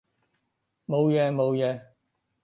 冇嘢冇嘢